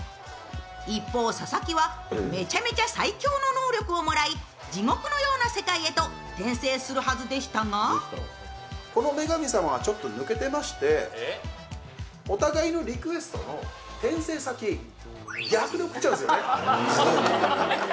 一方、佐々木はめちゃめちゃ最強の能力をもらい地獄のような世界へと転生するはずでしたがこの女神様、ちょっと抜けていましてお互いのリクエストの転生先、逆に送っちゃうんですよね。